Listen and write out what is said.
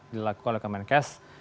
dilakukan oleh kemenkes